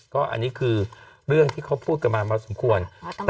ก็อันนี้คือเรื่องที่เขาพูดกันมาพอสมควร